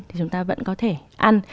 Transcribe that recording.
thì chúng ta vẫn có thể ăn